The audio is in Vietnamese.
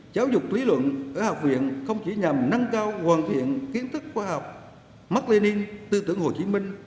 giáo dục lý luận ở học viện không chỉ nhằm nâng cao hoàn thiện kiến thức khoa học mắc lên yên tư tưởng hồ chí minh